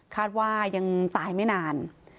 คาดว่ายังตายไม่นาน